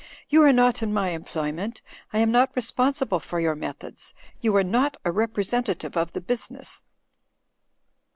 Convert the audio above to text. "You are not in my employment ; I am not re sponsible for your methods. You are not a repre sentative of the business."